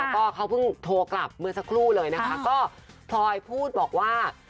ก็เขาเพิ่งโทรกลับเมื่อสักครู่เลยนะคะก็พลอยพูดบอกว่า